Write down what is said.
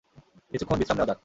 কিছুক্ষণ বিশ্রাম নেওয়া যাক!